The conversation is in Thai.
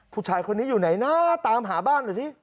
ผู้ชายคนนี้อยู่ไหนนะตามหาบ้านหน่อยสิ